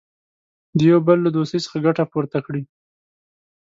د یوه بل له دوستۍ څخه ګټه پورته کړي.